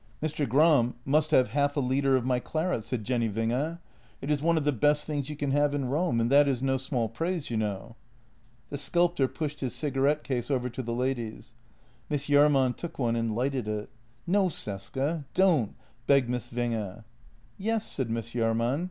" Mr. Gram must have half a litre of my claret," said Jenny Winge. "It is one of the best things you can have in Rome, and that is no small praise, you know." The sculptor pushed his cigarette case over to the ladies. Miss Jahrman took one and lighted it. "No, Cesca — don't! " begged Miss Winge. " Yes," said Miss Jahrman.